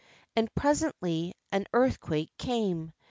And presently an earthquake came.